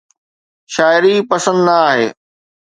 شاعري پسند نه آهي